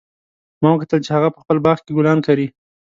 ما وکتل چې هغه په خپل باغ کې ګلان کري